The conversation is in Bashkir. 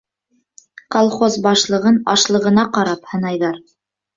Колхоз башлығын ашлығына ҡарап һынайҙар.